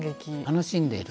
楽しんでいる。